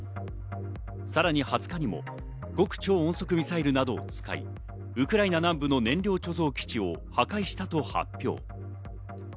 さらに２０日にも極超音速ミサイルなどを使い、ウクライナ南部の燃料貯蔵基地を破壊したと発表。